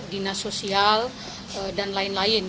dinas sosial dan lain lain